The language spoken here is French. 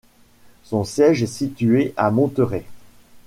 Son siège est situé à Monterey.